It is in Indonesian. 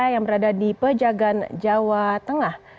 yang berada di pejagan jawa tengah